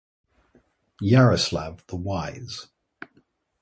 Yaroslav the Wise.